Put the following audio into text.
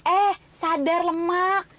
eh sadar lemak